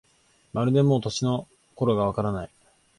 まるでもう、年の頃がわからない